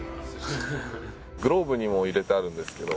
グローブにも入れてあるんですけど